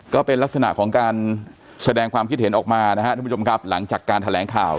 ก็เป็นลักษณะของการแสดงความคิดเห็นออกมาหลังจากการแถลงข่าว